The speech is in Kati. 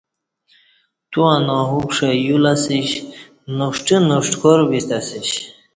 تو انواُکݜے یولہ اسیش نوݜٹہ نݜٹکار بیستہ اسیش